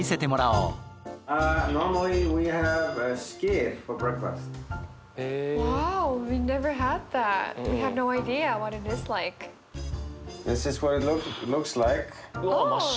うわ真っ白。